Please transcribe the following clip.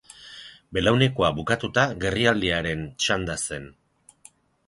Belaunekoa bukatuta, gerrialdearen txanda zen.